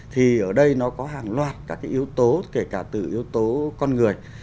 thì ở đây nó có hàng loạt các cái yếu tố kể cả từ yếu tố con người